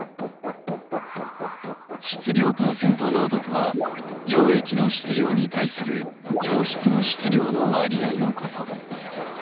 質量パーセント濃度とは溶液の質量に対する溶質の質量の割合のこと。